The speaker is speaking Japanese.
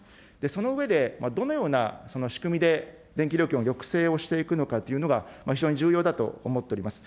その上で、どのような仕組みで電気料金を抑制をしていくのかというのが、非常に重要だと思っております。